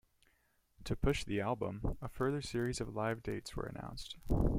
To push the album, a further series of live dates were announced.